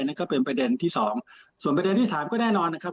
นั่นก็เป็นประเด็นที่สองส่วนประเด็นที่สามก็แน่นอนนะครับ